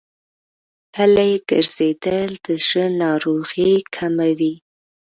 پلي ګرځېدل د زړه ناروغۍ کموي.